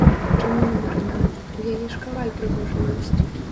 Чаму на марынад, у яе ж каваль прыгожы ёсць.